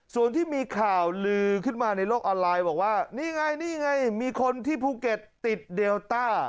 ส่วนที่มีข่าวลือขึ้นมาในโลกออนไลน์บอกว่านี่ไงนี่ไงมีคนที่ภูเก็ตติดเดลต้า